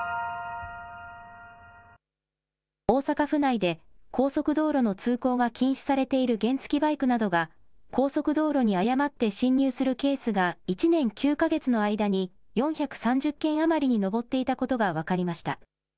大阪府内で、高速道路の通行が禁止されている原付きバイクなどが高速道路に誤って進入するケースが１年９か月の間に４３０件余りに上っていたことが分かりました。